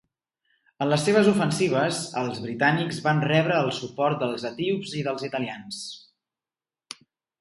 En les seves ofensives, els britànics van rebre el suport dels etíops i dels italians.